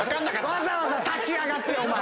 わざわざ立ち上がってお前。